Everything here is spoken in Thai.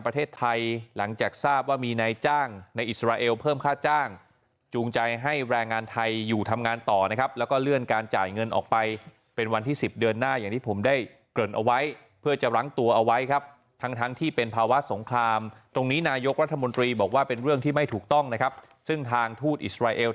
ประเทศไทยหลังจากทราบว่ามีนายจ้างในอิสราเอลเพิ่มค่าจ้างจูงใจให้แรงงานไทยอยู่ทำงานต่อนะครับแล้วก็เลื่อนการจ่ายเงินออกไปเป็นวันที่สิบเดือนหน้าอย่างที่ผมได้เกริ่นเอาไว้เพื่อจะรั้งตัวเอาไว้ครับทั้งทั้งที่เป็นภาวะสงครามตรงนี้นายกรัฐมนตรีบอกว่าเป็นเรื่องที่ไม่ถูกต้องนะครับซึ่งทางทูตอิสราเอล